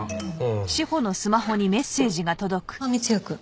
あっ三ツ矢くん。